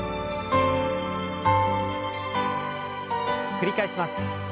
繰り返します。